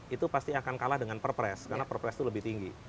itu pasti akan kalah dengan perpres karena perpres itu lebih tinggi